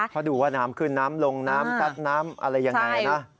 เพราะดูว่าน้ำขึ้นน้ำลงน้ำซัดน้ำอะไรยังไงนะ